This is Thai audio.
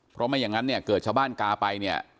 เพราะไม่อย่างนั้นเนี่ยเกิดชาวบ้านกาไปเนี่ย